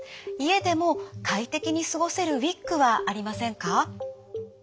家でも快適に過ごせるウイッグはありませんか？」。